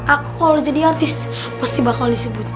aku kalau jadi artis pasti bakal disebut